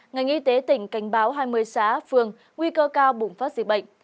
ngành y tế tỉnh cảnh báo hai mươi xã phường nguy cơ cao bùng phát dịch bệnh